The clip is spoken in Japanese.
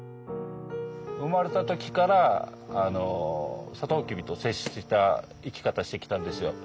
生まれた時からあのサトウキビと接した生き方してきたんですよ。